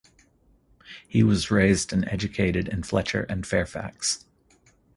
He was raised and educated in Fletcher and Fairfax.